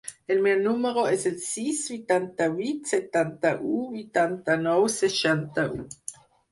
El meu número es el sis, vuitanta-vuit, setanta-u, vuitanta-nou, seixanta-u.